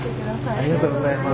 ありがとうございます。